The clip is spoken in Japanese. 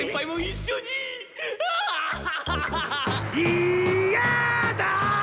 いやだ！